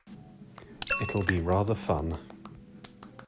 It'll be rather fun.